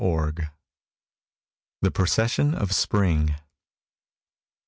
Lowell. THE PROCESSION OF SPRING.